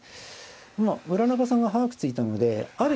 まあ村中さんが早く突いたのである意味